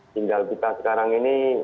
sehingga kita sekarang ini